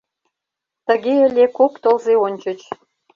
Тыге ыле кок тылзе ончыч.